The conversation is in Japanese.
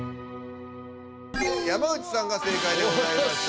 山内さんが正解でございました。